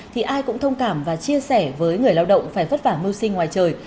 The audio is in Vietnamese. thì ai cũng thông cảm và chia sẻ với người lao động phải vất vả mưu sinh ngoài trời